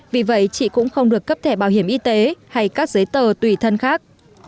vì vậy chị cũng không được cấp thẻ bảo hiểm y tế hay các giấy tờ tùy thân khác